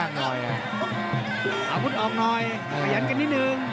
ขับมันกันนิดนึง